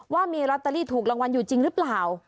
ว่ามีลอตเตอรี่ถูกรางวัลอยู่จริงหรือเปล่า